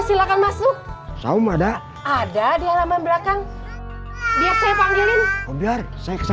silakan masuk saum ada ada di halaman belakang biar saya panggilin biar saya panggilin biar saya panggilin